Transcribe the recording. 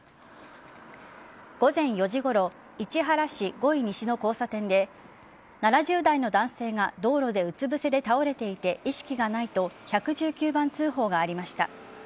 午前４時ごろ市原市五井西の交差点で７０代の男性が道路でうつ伏せで倒れていて意識がないと１１９番通報がありました。